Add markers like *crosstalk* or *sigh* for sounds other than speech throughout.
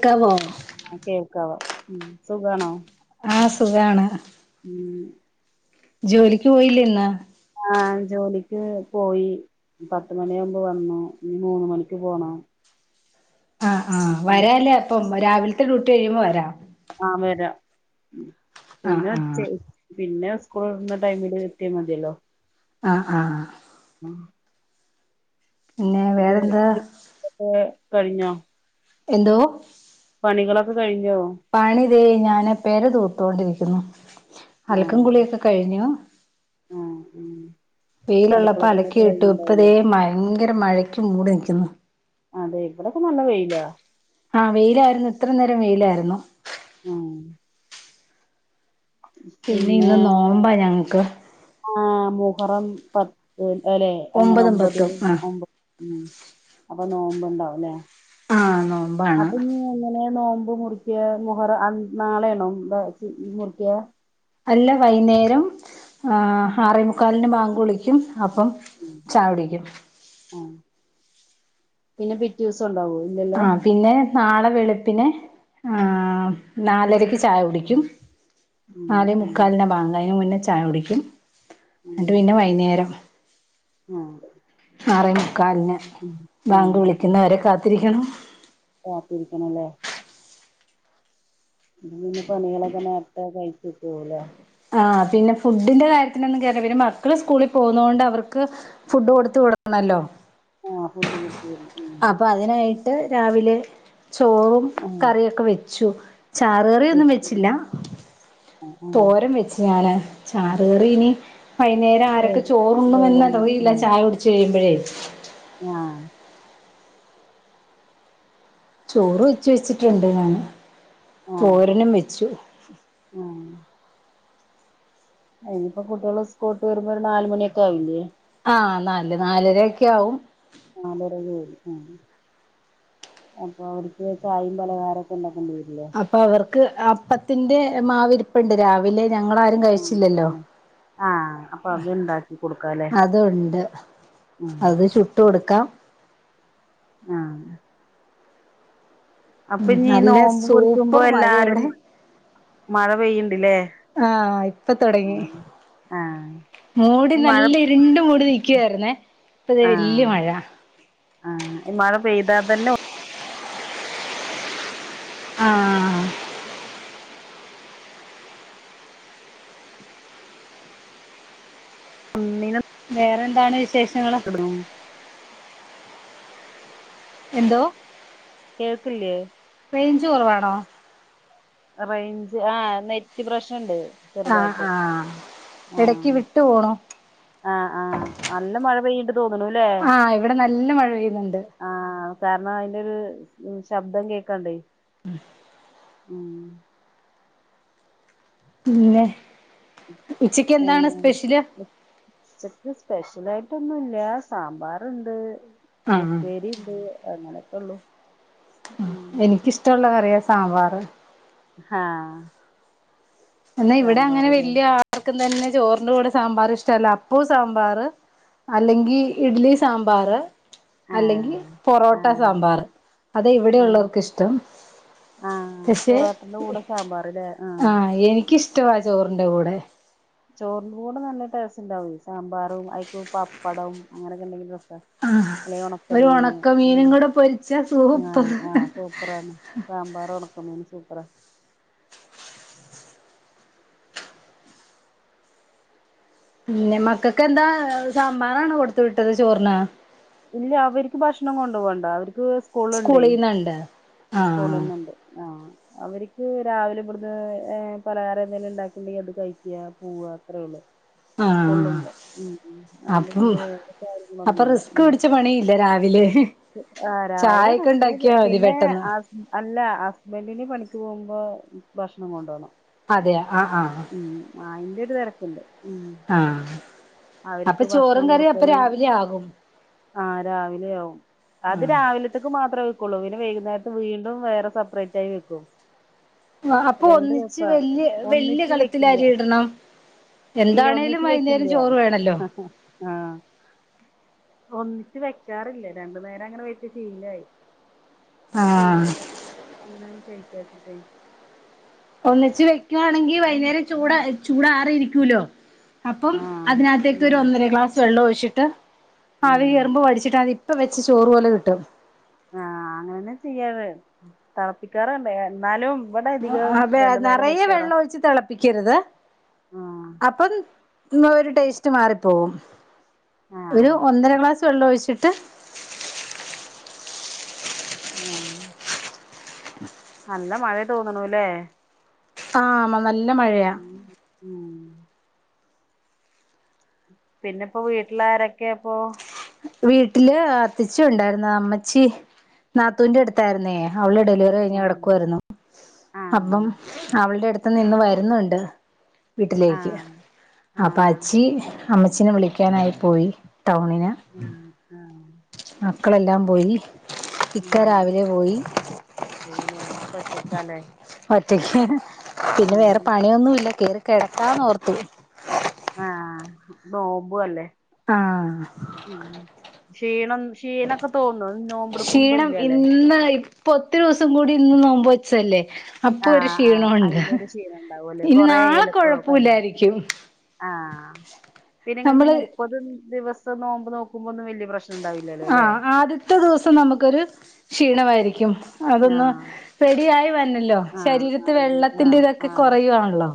ക്കാവോ ആ കേൾക്കാവോ ഉം സുഖാണോ ആ സുഖആണ് ഉം ജോലിക്ക് പോയില്ലെ ഇന്ന് ആ ജോലിക്ക് പോയി പത്തു മണിയാകുമ്പോ വന്നു ഇനി മൂന്നു മണിക്ക് പോണം ആ ആ ഉം വരാല്ലേ അപ്പം രാവിലത്തെ ഡ്യൂട്ടി കഴിയുമ്പോ വരാം ആ വരാം ആ പിന്നേ ആ ഉച്ച പിന്നെ സ്കൂൾ വിടുന്ന ടൈമില് എത്തിയാ മതിയല്ലോ ആ ആ ആ പിന്നെ ഇത് വേറെന്താ *unintelligible* കഴിഞ്ഞോ എന്തോ പണികളൊക്കെ കഴിഞ്ഞോ ഇതെ ഞാന് പെര തൂത്തോണ്ടിരിക്കുന്നു ആ അലക്കൻകുളിയൊക്കെ കഴിഞ്ഞു ആ ഉം അടുക്കള വെയിലുള്ളപ്പോ അലക്കി പണിയൊക്കെ ഇട്ടു കഴിഞ്ഞിണ്ടാവൂലേ ഇപ്പതേ മ ഭയങ്കര മഴയ്ക്ക് മൂടി നിൽക്കുന്നു അതെ ഇവിടൊക്കെ നല്ല വെയിലാ ആ വെയിലായിരുന്നു ഇത്ര നേരം വെയിലായിരുന്നു ആ പിന്നെ ഇന്ന് നോമ്പാ ഞങ്ങക്ക് ആ മുഹറം പത്ത് അല്ലെ അങ്ങനെ ഒമ്പതും ഒമ്പത് പത്തും ആ ഒമ്പ അപ്പൊ നോമ്പണ്ടാവുല്ലേ ആ അപ്പൊ നോമ്പാണ് നീ എങ്ങനെയാ നോ നോമ്പ് മുറിക്യ മുഹറം നാളെയാണോ മുറിക്യ അല്ല വൈകുന്നേരം ആ ആറേമുക്കാലിന് ബാങ്ക് വിളിക്കും അപ്പം ഉം ഉം ചായകുടിക്കും ഉം പിന്നെ പിറ്റേ ദിവസം ഉണ്ടാവൂ ആ പിന്നെ നാളെ വെളുപ്പിനെ ആ നാലരക്ക് ചായ കുടിക്കും ഉം നാലെ ഉം മുക്കാലിന് ബാങ്ക് അതിന് മുന്നേ ചായ കുടിക്കും എന്നിട്ട് പിന്നെ ഉം വൈകുന്നേരം ആറേ മുക്കാലിന് ഉം ബാങ്ക് ആഹ് വിളിക്കുന്നവരെ കാത്തിരിക്കണം കാത്തിരിക്കണല്ലേ ഇന്ന് പണികളൊക്കെ നേരത്തെ കഴിച്ചിട്ടൂലെ ആ പിന്നെ ഫുഡിന്റെ കാര്യത്തിനൊന്നും കേറി പിന്നെ മക്കൾ സ്കൂളിൽ പോകുന്നതുകൊണ്ട് അവർക്ക് ഫുഡ് കൊടുത്തു വിടണം ഹലോ ആ ഫുഡ്‌ കൊടുത്തു വിടണം മ്മ് ട്ട് രാവിലെ ചോറും ആഹ് കറിയൊക്കെ വെച്ചു ചാറ് കറിയൊന്നും വെച്ചില്ല തോ ആഹ് വെച്ച് ഞ്ഞാന്ന് ചാറുകറിഇനി വൈകുന്നേരം ആരൊക്കെ ചോറുണ്ണും എന്ന് അറിയില്ല ചായ കുടിച്ച് കഴിയുമ്പോഴേ ആ ചോറ് വെച്ച് വെച്ചിട്ടുണ്ട് ഞാന് ആഹ് തോരനും വെച്ചു ആഹ് ആഹ് ഇനിയിപ്പോ കുട്ടികള് സ്കൂൾ വിട്ടു വരുമ്പോ ഒരു നാലുമണിയൊക്കെ ആവില്ലേ ആ നാല് നാലരയൊക്കെ ആവും നാലര അപ്പൊ അവർക്ക് ചായയും പലഹാരൊക്കെ ഉണ്ടാക്ക് അപ്പൊ അവർക്ക് അപ്പത്തിന്റെ മാവിരിപ്പുണ്ട് രാവിലെ ഞങ്ങളാരും ഉം കഴിച്ചില്ലല്ലോ ഉം ആഹ് അപ്പൊ അത് ഇണ്ടാക്കി കൊടുക്കാല്ലേ അതൊണ്ടെ ഉം അത് ചുട്ടു കൊടുക്ക് ക്കം ആ ഉ നല്ല നോമ്പ് മുറിക്കുമ്പോ സൂപ്പർ മഴ എല്ലാരും ഇവിടെ മഴ പെയ്യ്ണ്ട്ല്ലേ ആ ഇപ്പ തൊടങ്ങി ആഹ് മൂടി ഈ മഴ നല്ലിരുണ്ട് മൂടി നിക്കുവാരുന്നേ ഇപ്പ ദേ വല്യ മഴ ആ ഈ മഴ പെയ്താ തന്നെ ഒ ആ ഒന്നിനും വേറെന്താണ് വിശേഷങ്ങളെ എന്തോ കേൾക്കില്ലേ റേഞ്ച് കൊറവാണോ റെയ്ഞ്ച് ആ നെറ്റ് പ്രശ്നോണ്ട് ആ ആ എടക്ക് വിട്ടു പോണു ആ ആ നല്ല മഴ പെയ്തു ആ ഇവിടെ നല്ല മഴ പെയ്യുന്നുണ്ട് ആഹ് കാരണം അതിന്റെ ഒരു ശബ്ദം കേക്കണുണ്ടേ ഉ *unintelligible* ഉം പിന്നെ ഉച്ചക്ക് ഏ എന്താണ് സ്പെഷ്യല് ഉച്ചയ്ക്ക് സ്പെഷ്യൽ ആയി ഒന്നൂല്യ സാമ്പാറുണ്ട് ആഹ് ഉപ്പേരിണ്ട് അങ്ങനെക്കെ ഉള്ളു ഉം എനിക്കിഷ്ട്ടൊള്ള കറിയാ സാമ്പാറെ ആ എന്നാ ഇവിടെ അങ്ങനെ വലിയ ആട്ടക്കും തന്നെ ചോറിന്റെ കൂടെ സാമ്പാർ ഇഷ്ടല്ല അപ്പോ സാമ്പാറെ അല്ലെങ്കി ഇഡ്ഡലി സാമ്പാറെ അല്ലെങ്കിൽ ആഹ് പൊറോട്ട ആഹ് സാമ്പാറെ അതാ ഇവിടെ ആഹ് ഉള്ളോർക്ക് ഇഷ്ടം ആഹ് പക്ഷെ പൊറോട്ടന്റെ കൂടെ സാമ്പാറ്ല്ലേ ആഹ് ആ എനിയ്ക്കിഷ്ടവാ ചോറിന്റെ കൂടെ ചോറിന്റെ കൂടെ നല്ല ടേസ്റ്റുണ്ടാവേ സാമ്പാറും അയ്ക്കോ പപ്പടം അങ്ങനെക്കെന്തെങ്കിലും ആ ഒരു ഉം ഉണക്കമീനും കൂടെ പൊരിച്ചാ സൂപ്പറെ സാമ്പാറും ഉണക്കമീനും സൂപ്പറാ പിന്നെ മക്കക്കെന്താ സാമ്പാറാണോ കൊടുത്തു വിട്ടത് ചോറിനെ ഇല്ല അവരക്ക് ഭക്ഷണം കൊണ്ടു പോവണ്ട അവർക്ക് സ്കൂളുണ്ടേ സ്കൂളീന്നണ്ട് ആഹ് സ്കൂളീന്നുണ്ടെ ആ അവരിക്ക് രാവിലെ ഇവട്ന്ന് പലഹാരെന്തെങ്കിലും ഇണ്ടാക്കിണ്ടെങ്കി അത് കയിക്ക്യ പോവാ അത്രേള്ളു ആഹ് സ്കൂൾല്ണ്ട്. ഉം ഉം അതോണ്ട് അപ്പം പിന്നെ വേറെ കാര്യങ്ങളൊന്നൂല്ല. ഉം ഉം വിലേ ആ രാവിലെ റസ്ക്ക്. *unintelligible* പിന്നേ പെട്ടെന്ന് ആസ് അല്ല ഹസ്ബന്റിന് പണിക്ക് പോവുമ്പോ ഭക്ഷണം കൊണ്ടോണം അതെയൊ. ആ ആ ആ അയിന്റെ ഒരു തെരക്ണ്ട് ആ അപ്പ ചോറും കറിം അപ്പം രാവിലെ ആകും ആ രാവിലെ ആവും അത് ആഹ് രാവിലത്ക്ക് മാത്രഹ് കുളൂ വിന് വൈകുന്നേരത്ത് വീണ്ടും വേറെ സെപ്പറേറ്റ് ആയി വെക്കും ആ അപ്പൊ രണ്ട് ഒന്നിച്ച് വെപ്പാ വല്യ വല്യ ഒന്നിച്ച് കലത്തിൽ വെക്കില്ല അരി ഇടണം ഇല്ല എന്താണേലും ഒന്നിച്ച് വെക്കില്ല വൈകുന്നേരം ചോറ് വേണല്ലോ ആഹ് ഒന്നിച്ച് വെക്കാറില്ല രണ്ടു നേരം അങ്ങനെ വെച്ച് ശീലായി അപ്പം ആഹ് ചൂടോട്ക്കെ അങ്ങനെയാണ് കഴിക്കല് കഴി ഒന്നിച്ച് വെക്കുവാണെങ്കി വൈന്നേരം ചൂട് ചൂടാറി ഇരിക്കൂല്ലോ അപ്പം ആഹ് അതിനകത്തേക്ക് ഉം ഒരു ഒന്നര ഗ്ലാസ് വെള്ളം ഒഴിച്ചിട്ട് ആവി ആഹ് കേറുമ്പോ വടിച്ചിട്ടാതി ഇപ്പൊ വെച്ച ചോറ് പോലെ കിട്ടും ആഹ്. അങ്ങനെന്നെ ചെയ്യാറ്. തെളപ്പിക്കാറുണ്ട്. എന്നാലും ഇവിടെ അധികം അതെ. അ രണ്ടു നേരം നറയെ വെക്കാറാ വെള്ള ഒഴിച്ച് തിളപ്പിക്കരുത്. ആഹ് അപ്പം ഇങ്ങ ഒരു ടേസ്റ്റ് മാറിപ്പോവും ഒരു ആഹ് ഒന്നര ഗ്ലാസ് വെള്ളഒഴിച്ചിട്ട് ആഹ് അങ്ങനെ നല്ല മഴെ തോന്നണു ല്ലേ ആ നല്ല മഴയാ ഉം പിന്നെപ്പോ വീട്ടിലാരൊക്കെപ്പൊ വീട്ടില് അത്തിച്ചി ഉണ്ടായിരുന്നു അമ്മച്ചി നാത്തൂന്റെ അടുത്തായിരുന്നെ അവൾ ഡെലിവറി കഴിഞ് ഉം കിടക്കുവായിരുന്നു. ആഹ് അപ്പം അവളുടെ അട് ത്ത് നിന്ന് വരുന്നുണ്ട് വീട്ടിലേക്ക്. ആഹ് അപ്പൊ ആഹ് അച്ചി അമ്മച്ചിനെ വിളിക്കാനായി പോയി ടൗണിന് ആഹ്. ആഹ് മക്കളെല്ലാം പോയി. ഇക്ക രാവിലെ പോയി. ഇപ്പം ഒറ്റക്കാ ലെ ഒറ്റയ്ക്ക് പിന്നെ വേറെ പണിയൊന്നും ഇല്ല. കേറി കെടക്കാന്ന് ഓർത്തു. ആഹ് നോമ്പു അല്ലേ. ആഹ് ക്ഷീണം ക്ഷീണൊക്കെ തോന്നോ നോമ്പെടുക്കുമ്പോ ക്ഷീണം ഇല്ലല്ലേ ഇന്ന് ഇപ്പൊ ഒത്തിരി ദിവസം കൂടി ഇന്ന് നോമ്പ് വെച്ചല്ലേ അപ്പൊ ഒരു ആഹ് ആഹ് ക്ഷീണൊണ്ട്. അയിനൊരു ക്ഷീണം ഉണ്ടാവൂല്ലേ ഇനി കൊറേ നാളെ ആയല്ലോ ഇപ്പൊ കഴിഞ്ഞ് കൊഴപ്പവില്ലായിരിക്കും ആഹ് പിന്നെ ഇങ്ങക്ക് മുപ്പത് ദിവസം നോമ്പ് നോക്കു ആഹ് ആദ്യത്തെ ദിവസം നമുക്കൊരു ക്ഷീണമായിരിക്കും അതൊന്ന് ആഹ് റെഡിയായി വര്നല്ലോ. ആഹ് ശരീരത്തി ആറടി വെള്ളത്തിന്റെ ആഹ് ഇതൊക്കെ ആഹ് കുറയുവാണല്ലോ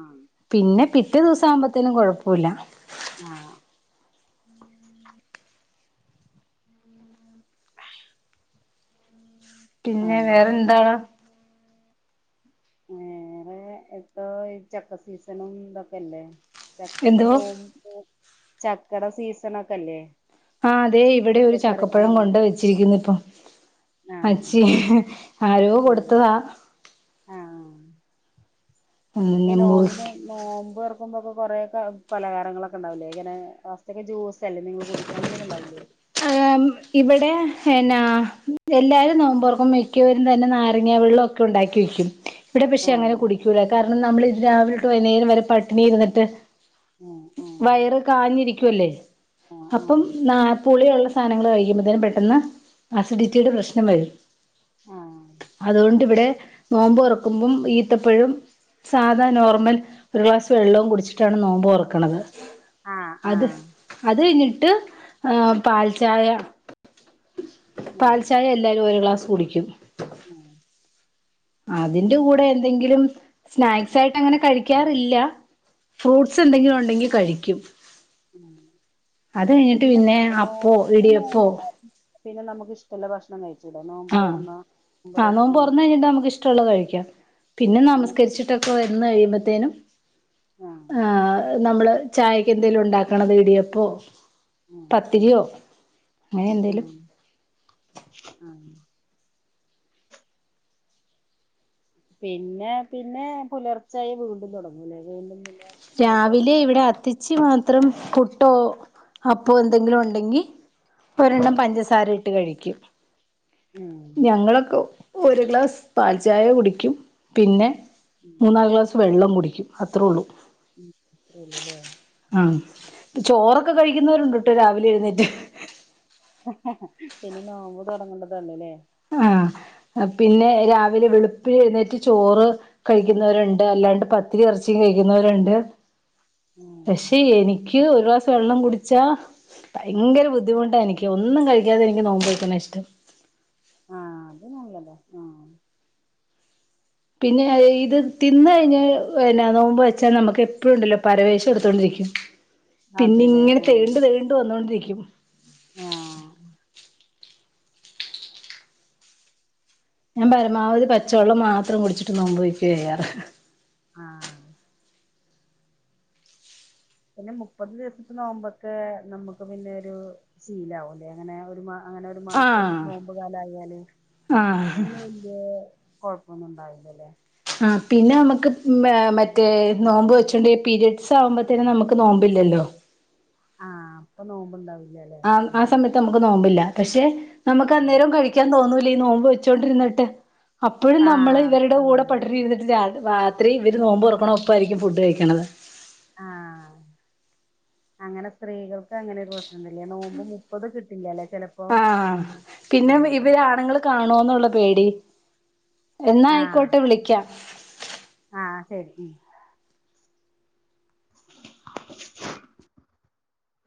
ആഹ് പിന്നെ പിറ്റേ ദിവസം ആവുമ്പത്തിനും കുഴപ്പവില്ല ആഹ് പിന്നെ വേറെ ആഹ് എന്താണ് വേറെ ഇപ്പോ ഈ ചക്ക സീസണും ഇതൊക്കെല്ലേ എന്തോ *unintelligible* ചക്കെടെ സീസൺ ഒക്കെല്ലേ ആ അതെ ഇവിടെ ഒരു ചക്കപ്പഴം കൊണ്ട് വെച്ചിരിക്കുന്നു. ഇപ്പം. ആഹ് അച്ചി ആരോ ആഹ് കൊടുത്തതാ ആഹ് ഈ പിന്നെ നോമ്പ്. മുറിക്ക് നോമ്പ് തൊറക്കുമ്പോ *unintelligible* കൊറെയൊക്കെ പലഹാരങ്ങളൊക്കെ ഉണ്ടാവില്ലേ ഇങ്ങനെ ഫസ്റ്റൊക്കെ ജൂസല്ലേ നിങ്ങൾ കുടിക്ക. അങ്ങനൊക്കെണ്ടാവില്ലേ *inaudible* ഏഹ് ഇവിടെ പിന്നെ എല്ലാരും നോമ്പോർക്കുമ്പോ മിക്കവരും തന്നെ നാരങ്ങ വെള്ളും ഒക്കെ ഉണ്ടാക്കി വയ്ക്കും ഇവിടെ പക്ഷെ അങ്ങനെ ആഹ് കുടിക്കൂല കാരണം നമ്മൾ ഇത് രാവിലെ ഇട്ട് വൈകുന്നേരം വരെ പട്ടിണി ഇരിന്നിട്ട് ആഹ് ആഹ് വയറ് കാഞ്ഞിരിക്കുവല്ലേ അപ്പം നാ പുളിയുള്ള സാധനങ്ങൾ കഴിക്കുമ്പോത്തന് പെട്ടൊന്ന് ആസിഡിറ്റിയുടെ പ്രശ്നം വരും ആഹ് ആഹ് അതുകൊണ്ട് ഇവിടെ നോമ്പ്തുറക്കുമ്പം ഈത്തപ്പഴും സാധാ നോർമൽ ഒരു ഗ്ലാസ് വെള്ളവും കുടിച്ചിട്ടാണ് നോമ്പ് തുറക്കണത് ആഹ് ആഹ് അത് ആഹ് അത് കഴിഞ്ഞിട്ട് ഏ പാൽചായ ആഹ് പാൽ ആഹ് ചായ എല്ലാരും ഒരു ഗ്ലാസ് കുടിക്കും *inaudible* അതിന്റെ കൂടെ എന്തെങ്കിലും സ്നാക്സ് ആയിട്ട് അങ്ങനെ കഴിക്കാറില്ല ഫ്രൂട്ട്സ് എന്തെങ്കിലും ഉണ്ടെങ്കിൽ കഴിക്കും ഉം അത് കഴിഞ്ഞിട്ട് പിന്നെ നോ അപ്പോ പിന്നെ ഇടിയപ്പോ നോമ്പ് തുറ- പിന്നെ നമുക്ക് ഇഷ്ടമുള്ള ഭക്ഷണം കഴിച്ചൂടെ നോൻമ്പ് തുറന്നാ ആഹ് നോമ്പ് തുറന്നു കഴിഞ്ഞിട്ട് നമക്ക് ഇഷ്ടമുള്ളത് കഴിക്കാം പിന്നെ നമസ്കരിച്ചിട്ടൊക്കെ വന്ന് കഴിയമ്പത്തേനും ആഹ് നമ്മള് ചായക്ക് എന്തെലും ഉണ്ടാക്കണത് ഇടിയപ്പോ ഉം ഉം പത്തിരിയോ അങ്ങനെ എന്തേലും ആഹ് ആഹ് പിന്നെ പിന്നെ പുലർച്ചായി വീണ്ടും തുടങ്ങൂല്ലേ വീണ്ടും നോമ്പ് രാവിലെ അങ്ങനെ ഇവിടെ അത്തിച്ചി മാത്ര അത്രം പുട്ടോ അപ്പോ എന്തെങ്കിലും ഉണ്ടെങ്കിൽ ഒരെണ്ണം പഞ്ചസാര ഇട്ട് കഴിക്കും ഉം ഞങ്ങളൊക്കെ ഒരു ഗ്ലാസ് പാൽചായ കുടിക്കും പിന്നെ ഉം മൂന്നാല് ഗ്ലാസ് വെള്ളം കുടിക്കും അത്രേ ഉള്ളൂ ഉം അതേല്ലേ ആ ചോറൊക്കെ കഴിക്കുന്നവരുണ്ട്ട്ടോ രാവിലെ എഴുന്നേറ്റ് ഹ ഹാ പിന്നെ നോമ്പ് തുടങ്ങണ്ടതല്ലേല്ലേ ആ പിന്നെ രാവിലെ വെളുപ്പിന് എഴുന്നേറ്റ് ചോറ് കഴിക്കുന്നവരുണ്ട് അല്ലാണ്ട് പത്തിരി ഇറച്ചി കഴിക്കുന്നവരുണ്ട് ആഹ് പക്ഷെ എനിക്ക് ഒരു ഗ്ലാസ് വെള്ളം കുടിച്ചാ ഭയങ്കര ബുദ്ധിമുട്ടാ എനിക്ക് ഒന്നും കഴിക്കാതെ എനിക്ക് നോമ്പ് എടുക്കുന്നതാ ഇഷ്ടം ആഹ് അത് നല്ലതാ ആ പിന്നെ ഇത് തിന്ന് കഴിഞ്ഞ നോമ്പ് വെച്ചാ നമുക്ക് എപ്പഴും ഉണ്ടല്ലോ പരവേശം എടുത്തൊണ്ടിരിക്കും പിന്നെ അതെല്ലേ ഇങ്ങനെ ആഹ് തേണ്ട് തേണ്ടു വന്നോണ്ടിരിക്കും ആഹ് ഞാൻ പരമാവധി പച്ചവെള്ളം മാത്രം കുടിച്ചിട്ട് നോമ്പ് വെക്കാ ചെയ്യാറ് ആഹ് പിന്നെ മുപ്പത് ദിവസത്തെ നോമ്പക്കെ നമ്മുക്ക് പിന്നെ ഒരു ശീലവും അല്ലെ അങ്ങനെ ഒരു മാസ അങ്ങനെ ഒരു മാസം ആഹ് നോമ്പ് കാല ആയാല് അപ്പൊ ആഹ് പിന്നെ വല്യ കുഴപ്പൊന്നും ഉണ്ടാവില്ലല്ലേ ആ പിന്നെ നമുക്ക് മറ്റേ നോമ്പ് വെച്ചുണ്ടെങ്കിൽ പീരയഡ്സ് ആകുമ്പോത്തനെ നമുക്ക് നോമ്പില്ലല്ലോ ആഹ് അപ്പൊ നോമ്പ് ഉണ്ടാവില്ല ആ ആ സമയത്ത് നമുക്ക് നോമ്പില്ല പക്ഷെ നമുക്ക് അന്നേരം കഴിക്കാൻ തോന്നൂല്ല നോമ്പ് വെച്ചോണ്ടിരുന്നിട്ട് അപ്പോഴും നമ്മൾ ആഹ് ഇവരുടെ കൂടെ ആഹ് പട്ടിണി ഇരുന്നിട്ട് രാത്രി ഇവർ നോമ്പ് തുറക്കണ ഒപ്പായിരിക്കും ഫുഡ് കഴിക്കണത് ആഹ് അങ്ങനെ സ്ത്രീകൾക്ക് അങ്ങനെ ഒരു പ്രശനംല്ല നോമ്പ് മുപ്പത് കിട്ടില്ലല്ലേ ചെലപ്പോ ആഹ പിന്നെ ആഹ് ഇവര് ആണുങ്ങൾ കാണ കാണുന്നുള്ള പേടി എന്നാ ആഹ് ആയിക്കോട്ടെ വിളിക്കാ ആഹ് ശരി *inaudible*